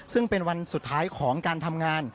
ซึ่งเป็นวันสุดท้ายของการทำงาน